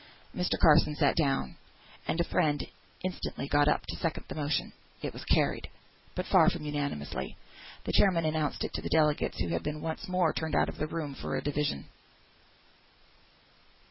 Mr. Carson sat down, and a friend instantly got up to second the motion. It was carried, but far from unanimously. The chairman announced it to the delegates (who had been once more turned out of the room for a division).